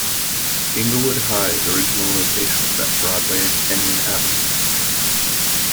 Englewood High's original location was at Broadway and Kenyon Avenues.